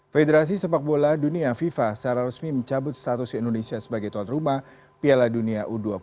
federasi sepak bola dunia fifa secara resmi mencabut status indonesia sebagai tuan rumah piala dunia u dua puluh